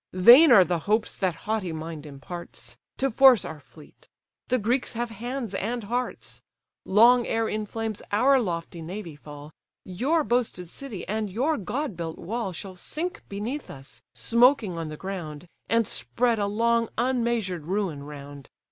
Vain are the hopes that haughty mind imparts, To force our fleet: the Greeks have hands and hearts. Long ere in flames our lofty navy fall, Your boasted city, and your god built wall, Shall sink beneath us, smoking on the ground; And spread a long unmeasured ruin round.